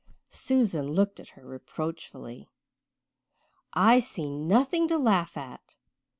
Susan looked at her reproachfully. "I see nothing to laugh at.